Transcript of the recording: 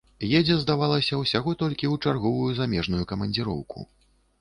Едзе, здавалася, усяго толькі ў чарговую замежную камандзіроўку.